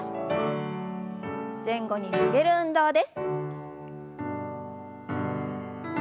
前後に曲げる運動です。